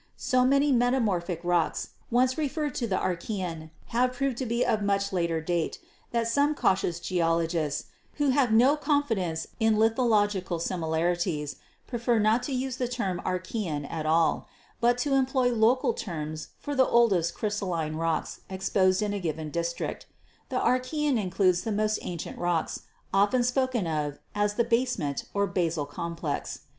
So many meta morphic rocks, once referred to the Archaean, have proved to be of much later date, that some cautious geologists, who have no confidence in iithological similarities,' prefer not to use the term Archaean at all, but to employ local terms for the oldest crystalline rocks exposed in a given district. The Archaean includes the most ancient rocks, often spoken of as the 'basement, or basal complex.'